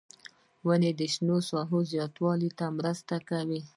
• ونه د شنو ساحو زیاتوالي ته مرسته کوي.